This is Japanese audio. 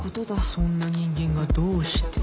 そんな人間がどうして。